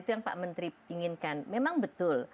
itu yang pak menteri inginkan memang betul